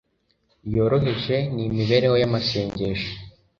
yoroheje ni mibereho y’amasengesho